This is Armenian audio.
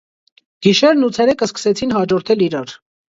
Գիշերն ու ցերեկը սկսեցին հաջորդել իրար։